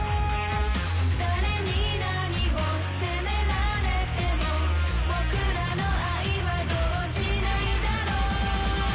誰に何を責められても僕らの愛は動じないだろう